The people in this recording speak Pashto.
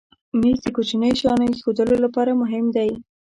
مېز د کوچنیو شیانو ایښودلو لپاره مهم دی.